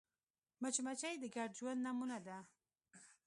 مچمچۍ د ګډ ژوند نمونه ده